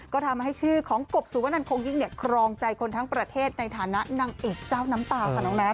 ก็ทำให้ชื่อของกบสุวนันคงยิ่งเนี่ยครองใจคนทั้งประเทศในฐานะนางเอกเจ้าน้ำตาค่ะน้องแมท